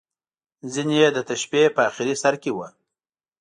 ځینې یې د تشبیه په اخري سر کې وو.